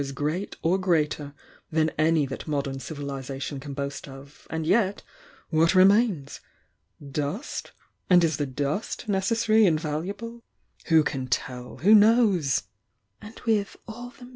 as great or greater than any that modern civihsation can boast of— and yet what remains? Dust? And is the dust ne<»s sary and valuable? Who can tell! Who knowsr „„+l!^« . /"J^®J?